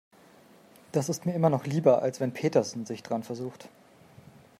Das ist mir immer noch lieber, als wenn Petersen sich daran versucht.